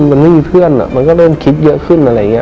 มันไม่มีเพื่อนมันก็เริ่มคิดเยอะขึ้นอะไรอย่างนี้